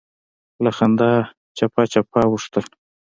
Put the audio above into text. له خندا چپه چپه اوښتل.